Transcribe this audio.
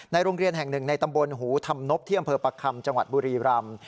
โรงเรียนแห่งหนึ่งในตำบลหูธรรมนบที่อำเภอประคำจังหวัดบุรีรำ